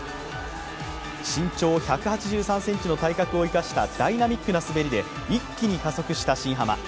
身長１８３ｃｍの体格を生かしたダイナミックな滑りで一気に加速した新濱。